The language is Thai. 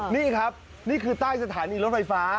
นี่ครับนี่คือใต้สถานีรถไฟฟ้า